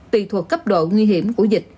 tùy thuộc cấp độ nguy hiểm của dịch